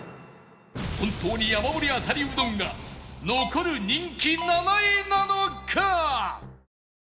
本当に山盛りあさりうどんが残る人気７位なのか？